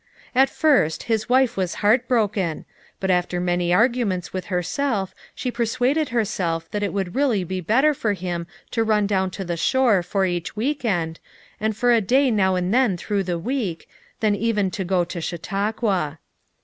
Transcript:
At first his wife was heart broken, but after many arguments with herself she persuaded herself that it would really be better for him to run down to the shore for each week end, and for a day now and then through the week, than even to go to Chautauqua.